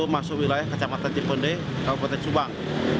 mulai ke jepun d kabupaten subang